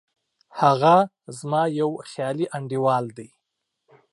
هغه زما یو خیالي انډیوال دی